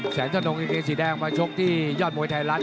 แสนทะนงกางเกงสีแดงมาชกที่ยอดมวยไทยรัฐ